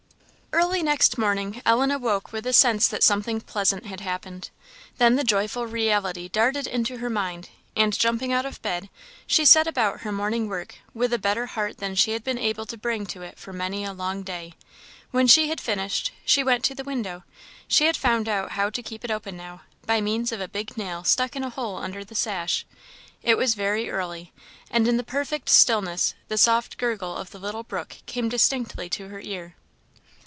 Early next morning Ellen awoke with a sense that something pleasant had happened. Then the joyful reality darted into her mind, and jumping out of bed, she set about her morning work with a better heart than she had been able to bring to it for many a long day. When she had finished, she went to the window. She had found out how to keep it open now, by means of a big nail stuck in a hole under the sash. It was very early, and in the perfect stillness, the soft gurgle of the little brook came distinctly to her ear.